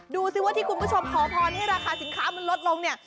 ดูสิว่าที่คุณผู้ชมขอพรให้ราคาสินค้ามันลดลงเนี่ย